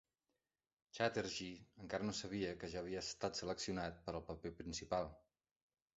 Chatterjee encara no sabia que ja havia estat seleccionat per al paper principal.